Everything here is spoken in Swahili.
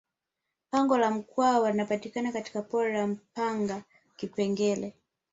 pango la mkwawa linapatikana katika pori la mpanga kipengere